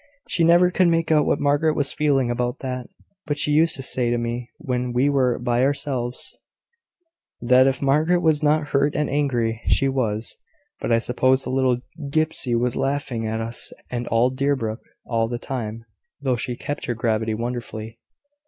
She never could make out what Margaret was feeling about that; but she used to say to me when we were by ourselves, that if Margaret was not hurt and angry, she was. But I suppose the little gipsy was laughing at us and all Deerbrook all the time; though she kept her gravity wonderfully."